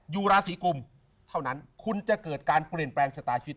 อยู่ราศีกุมเท่านั้นคุณจะเกิดการเปลี่ยนแปลงชะตาชีวิต